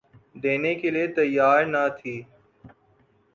دینے کے لئے تیّار نہ تھی۔